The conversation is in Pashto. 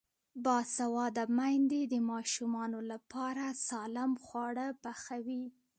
باسواده میندې د ماشومانو لپاره سالم خواړه پخوي.